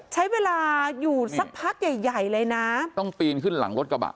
ใช้เวลาอยู่สักพักใหญ่ใหญ่เลยนะต้องปีนขึ้นหลังรถกระบะ